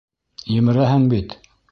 Емерәһең бит!